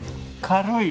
軽い！